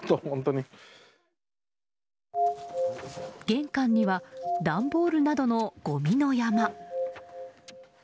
玄関には段ボールなどのごみの山。